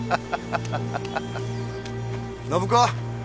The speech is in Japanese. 暢子！